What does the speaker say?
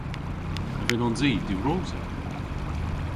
A vynnons i diwrosa?